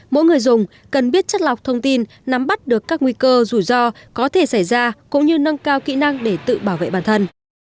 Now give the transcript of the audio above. mỗi người dùng cần biết chất lọc thông tin nắm bắt được các nguy cơ rủi ro có thể xảy ra cũng như nâng cao kỹ năng để tự bảo vệ bản thân